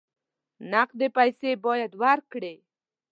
نقدې پیسې باید ورکړې.